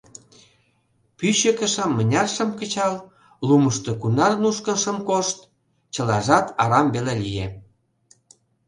Пӱчӧ кышам мыняр шым кычал, лумышто кунар нушкын шым кошт — чылажат арам веле лие.